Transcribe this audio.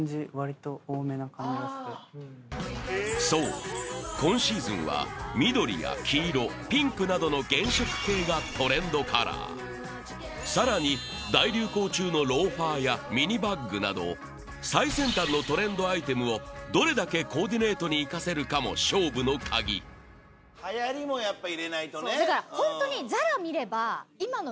そう今シーズンは緑や黄色ピンクなどのさらに大流行中のローファーやミニバッグなど最先端のトレンドアイテムをどれだけコーディネートに生かせるかも勝負のカギだからホントに。